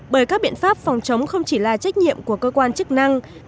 bởi các biện pháp phòng chống không chỉ là trách nhiệm của cơ quan chức năng